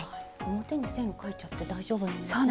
表に線書いちゃって大丈夫なんですね。